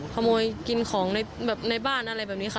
ขโมยกินของในบ้านอะไรแบบนี้ค่ะ